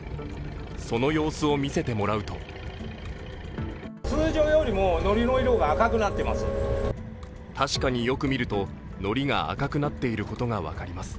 その様子を見せてもらうと確かによく見ると、のりが赤くなっていることが分かります。